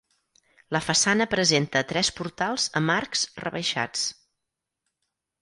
La façana presenta tres portals amb arcs rebaixats.